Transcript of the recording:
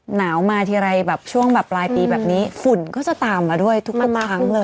หนาวมาทีไรแบบช่วงแบบปลายปีแบบนี้ฝุ่นก็จะตามมาด้วยทุกครั้งเลย